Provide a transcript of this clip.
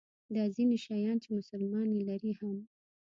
دا ځیني شیان چې مسلمانان یې لري هم.